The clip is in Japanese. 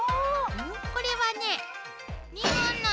これはね